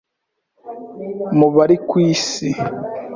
mu bari ku Isi